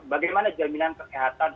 bagaimana jaminan kesehatan